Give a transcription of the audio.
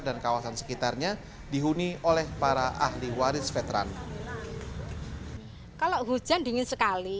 dan kawasan peninggalan hindia belanda